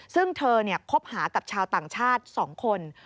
ซึ่งเธอคบหากับชาวต่างชาติ๒คน